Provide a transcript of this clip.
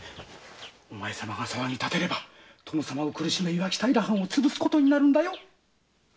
おまえ様が騒ぎ立てれば殿様を苦しめ磐城平藩を潰すことになるんだよ。